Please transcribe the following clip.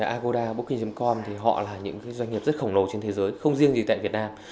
agoda boki com thì họ là những doanh nghiệp rất khổng lồ trên thế giới không riêng gì tại việt nam